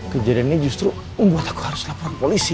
kejadian ini justru membuat aku harus laporan polisi